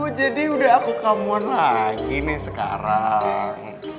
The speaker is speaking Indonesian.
oh jadi udah aku kamu lagi nih sekarang